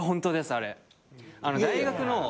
あの大学の。